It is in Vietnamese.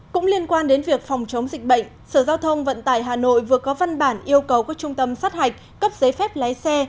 cũng liên quan đến việc phòng chống dịch bệnh sở giao thông vận tải hà nội vừa có văn bản yêu cầu các trung tâm sát hạch cấp giấy phép lái xe